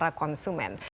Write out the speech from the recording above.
atau para konsumen